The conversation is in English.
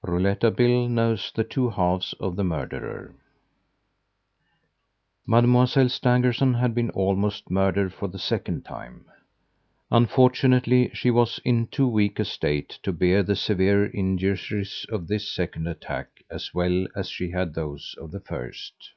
Rouletabille Knows the Two Halves of the Murderer Mademoiselle Stangerson had been almost murdered for the second time. Unfortunately, she was in too weak a state to bear the severer injuries of this second attack as well as she had those of the first.